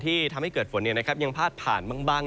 ที่ทำให้เกิดฝนยังพาดผ่านบ้าง